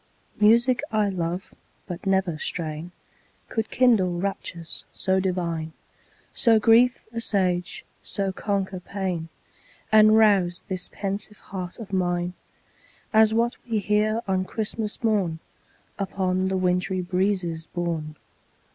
Music I love but never strain Could kindle raptures so divine, So grief assuage, so conquer pain, And rouse this pensive heart of mine As that we hear on Christmas morn, Upon the wintry breezes borne.